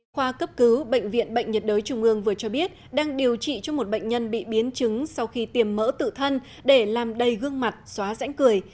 khoa cấp cứu bệnh viện bệnh nhiệt đới trung ương vừa cho biết đang điều trị cho một bệnh nhân bị biến chứng sau khi tiềm mỡ tự thân để làm đầy gương mặt xóa rãnh cười